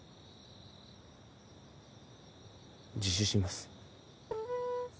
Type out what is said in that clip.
自首します。